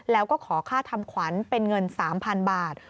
แล้วก็ขอค่าทำขวัญเป็นเงิน๓๐๐๐บาท